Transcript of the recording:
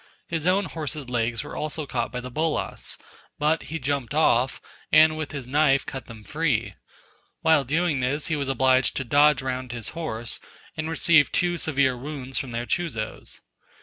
His own horse's legs were also caught by the bolas, but he jumped off, and with his knife cut them free: while doing this he was obliged to dodge round his horse, and received two severe wounds from their chuzos.